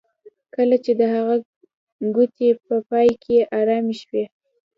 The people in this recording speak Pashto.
کله چې د هغه ګوتې په پای کې ارامې شوې